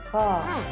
うん！